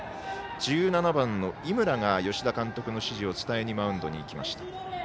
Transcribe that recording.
１７番の井村が吉田監督の指示を伝えにマウンドに行きました。